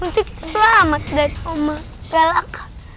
untuk selamat dari omogalak